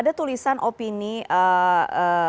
ada tulisan opini seorang akademisi yang dimuatkan